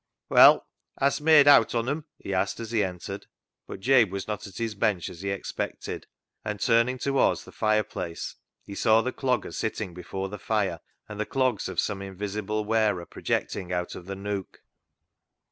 " Well ! hast made owt on 'em ?" he asked as he entered ; but Jabe was not at his bench, as he expected, and turning towards the fire place, he saw the Clogger sitting before the fire, and the clogs of some invisible wearer projecting out of the nook.